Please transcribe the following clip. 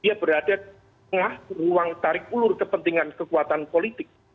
dia berada di tengah ruang tarik ulur kepentingan kekuatan politik